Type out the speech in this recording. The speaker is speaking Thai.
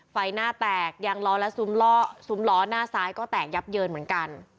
ไฟหน้าแตกยางล้อและซุ้มล้อหน้าซ้ายก็แตกยับเยินเหมือนกัน